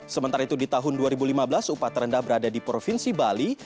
sementara itu di tahun dua ribu lima belas upah terendah berada di provinsi bali